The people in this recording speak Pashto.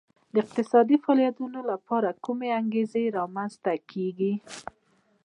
د اقتصادي فعالیتونو لپاره کومه انګېزه نه رامنځته کېږي